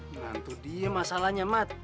nah itu dia masalahnya mat